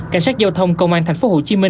cảnh sát giao thông công an tp hcm